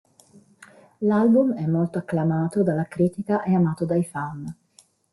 L'album è molto acclamato dalla critica e amato dai fan.